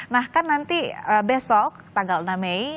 nah kan nanti besok tanggal enam mei